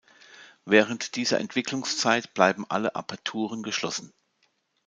Während dieser Entwicklungszeit bleiben alle Aperturen geschlossen.